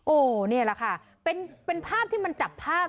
โอ้โหนี่แหละค่ะเป็นภาพที่มันจับภาพ